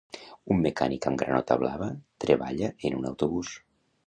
Un mecànic amb granota blava treballa en un autobús.